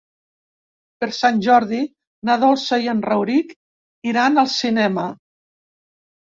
Per Sant Jordi na Dolça i en Rauric iran al cinema.